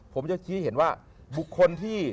ผมจะชี้เห็นว่าบุคคลที่